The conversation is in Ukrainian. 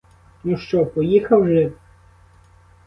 Ну що, поїхав жид?